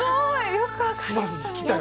よく分かりましたね。